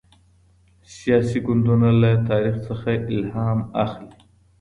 سياسي ګوندونه له تاريخ څخه الهام اخلي.